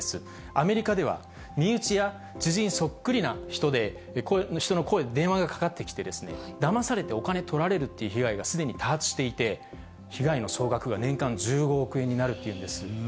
アメリカでは、身内や知人そっくりな人の声で電話がかかってきて、だまされて、お金とられるっていう被害がすでに多発していて、被害の総額が年間１５億円になるっていうんです。